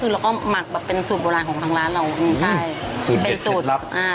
แล้วมาเป็นสูตรโบรันของทางร้านเรา